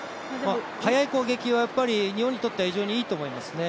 速い攻撃は日本にとっては非常にいいと思いますね。